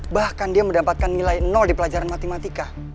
bahkan dia mendapatkan nilai nol di pelajaran matematika